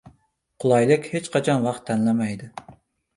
• Qulaylik hech qachon vaqt tanlamaydi.